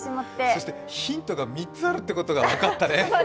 そしてヒントが３つあるってことが分かったね。